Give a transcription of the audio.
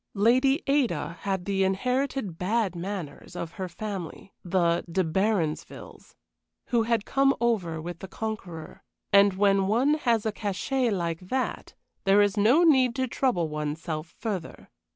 Lady Ada had the inherited bad manners of her family, the De Baronsvilles, who had come over with the Conqueror, and when one has a cachet like that there is no need to trouble one's self further.